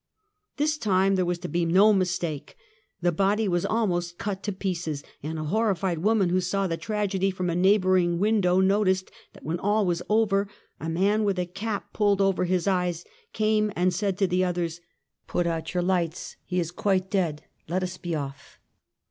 This time there was to be no mistake, the body was almost cut to pieces, and a horrified woman who saw the tragedy from a neighbouring window, noticed that when all was over, a man with a cap pulled over his eyes came and said to the others: "Put out your lights, he is quite dead, let us be off".